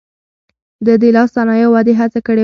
ده د لاس صنايعو ودې هڅه کړې وه.